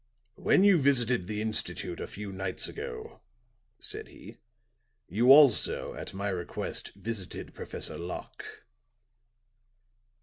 "When you visited the institute a few nights ago," said he, "you also, at my request, visited Professor Locke."